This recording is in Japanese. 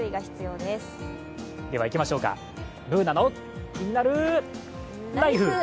では、いきましょうか、「ＢｏｏｎａのキニナルＬＩＦＥ」。